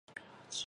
北海道小清水町